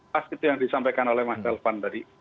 pas itu yang disampaikan oleh mas elvan tadi